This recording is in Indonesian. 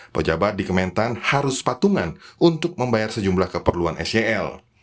pejabat di kementan harus patungan untuk membayar sejumlah keperluan sel